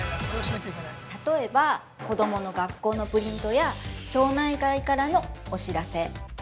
◆例えば子供の学校のプリントや町内会からのお知らせ。